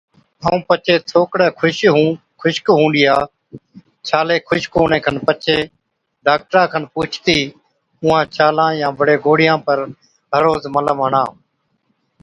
ائُون پڇي ٿوڪڙَي خُشڪ هُئُون ڏِيا ڇالي خُشڪ هُوَڻي کن پڇي ڊاڪٽرا کن پُوڇتِي اُونهان ڇالان يان بڙي گوڙهِيان پر هر روز ملم هڻا۔